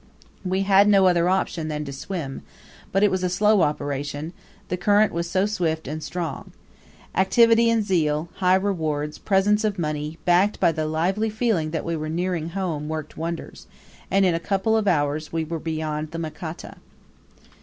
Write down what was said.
We had no other option than to swim it; but it was a slow operation, the current was so swift and strong. Activity and zeal, high rewards, presents of money, backed by the lively feeling that we were nearing home, worked wonders, and in a couple of hours we were beyond the Makata.